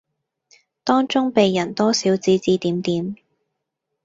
當中被人多少指指點點